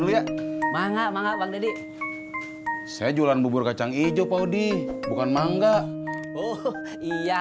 dulu ya mangga mangga pak deddy saya jualan bubur kacang ijo pau di bukan mangga oh iya